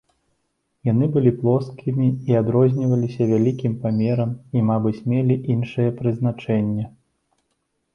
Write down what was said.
Яны былі плоскімі і адрозніваліся вялікім памерам і, мабыць, мелі іншае прызначэнне.